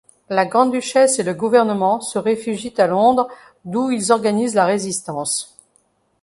La grande-duchesse et le gouvernement se réfugient à Londres d'où ils organisent la résistance.